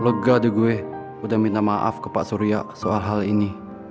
lega deh gue udah minta maaf ke pak surya soal hal ini